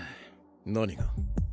何が？